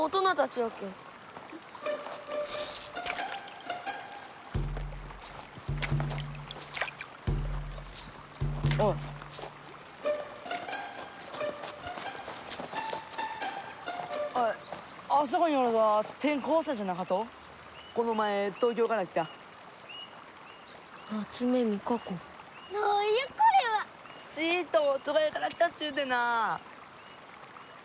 ちいっと都会から来たっちゅうてなあ。